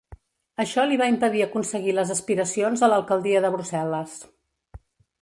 Això li va impedir aconseguir les aspiracions a l'alcaldia de Brussel·les.